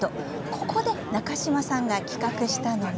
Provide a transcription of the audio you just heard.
ここで中島さんが企画したのが。